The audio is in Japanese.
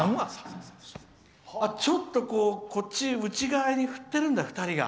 ちょっと内側に振ってるんだ、２人が。